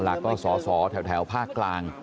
หลักก็สอสอแถวภาคกลาง